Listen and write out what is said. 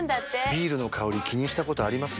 ビールの香り気にしたことあります？